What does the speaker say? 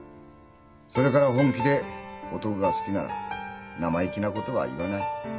それから「本気で男が好きなら生意気なことは言わない。